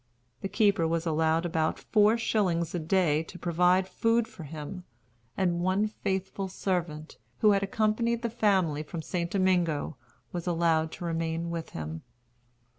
The keeper was allowed about four shillings a day to provide food for him; and one faithful servant, who had accompanied the family from St. Domingo, was allowed to remain with him.